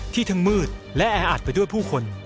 ทั้งมืดและแออัดไปด้วยผู้คน